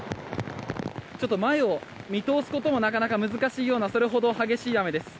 前を見通すこともなかなか難しいようなそれほど激しい雨です。